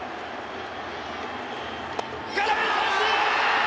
空振り三振！